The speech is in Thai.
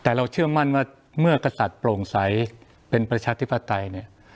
แต่เราเชื่อมั่นว่าเมื่อกษัตริย์โปร่งใสเป็นประชาธิปไตยเนี่ย